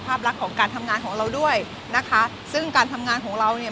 ภาพลักษณ์ของการทำงานของเราด้วยนะคะซึ่งการทำงานของเราเนี่ย